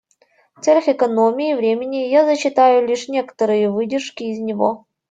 В целях экономии времени я зачитаю лишь некоторые выдержки из него.